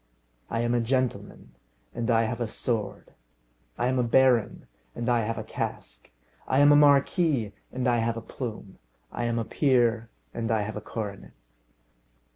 I am a gentleman, and I have a sword; I am a baron, and I have a casque; I am a marquis, and I have a plume; I am a peer, and I have a coronet.